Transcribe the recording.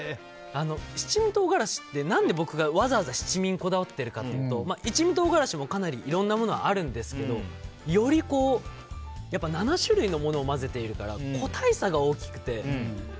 七味唐辛子って何で僕がわざわざ七味にこだわっているかというと一味唐辛子もかなりいろんなものがあるんですけどより、７種類のものを混ぜているから個体差が大きくて。